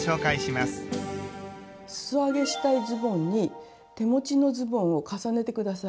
すそ上げしたいズボンに手持ちのズボンを重ねて下さい。